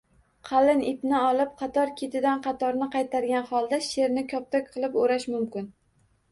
Qalin ipni olib, qator ketidan qatorni qaytargan holda “sheʼrni koptok qilib o‘rash” mumkin.